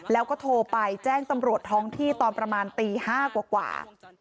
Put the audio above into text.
แล้วก็โทรไปแจ้งตำรวจท้องที่ตอนประมาณตี๕กว่า